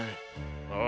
ああ。